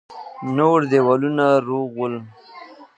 نور دېوالونه روغ ول.